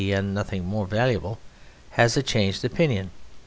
and nothing more valuable) has a changed opinion.